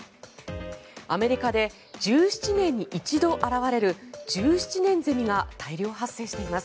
アメリカで１７年に一度現れる１７年ゼミが大量発生しています。